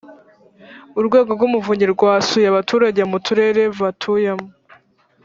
urwego rw’umuvunyi rwasuye abaturage mu turere batuyemo